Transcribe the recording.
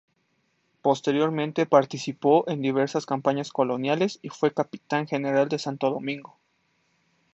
Posteriormente participó en diversas campañas coloniales y fue capitán general de Santo Domingo.